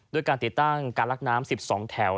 ด้วยการติดตั้งการลักน้ำ๑๒แถว